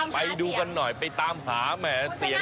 ไปดูกันหน่อยไปตามหาแหมเสียง